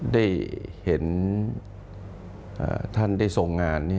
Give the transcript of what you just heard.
ได้เห็นท่านได้ทรงงาน